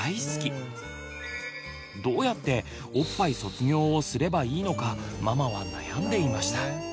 どうやって「おっぱい卒業」をすればいいのかママは悩んでいました。